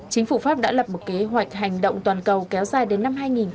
chính phủ pháp đã lập một kế hoạch hành động toàn cầu kéo dài đến năm hai nghìn năm